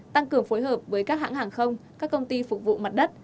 tăng cường phối hợp với các hãng hàng không các công ty phục vụ mặt đất